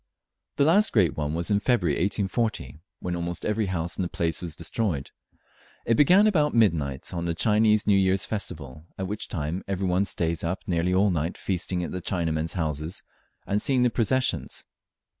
The last great one was in February 1840, when almost every house in the place was destroyed. It began about midnight on the Chinese New Year's festival, at which time every one stays up nearly all night feasting at the Chinamen's houses and seeing the processions.